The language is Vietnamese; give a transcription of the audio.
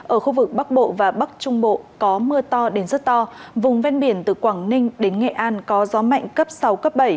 ở khu vực bắc bộ và bắc trung bộ có mưa to đến rất to vùng ven biển từ quảng ninh đến nghệ an có gió mạnh cấp sáu cấp bảy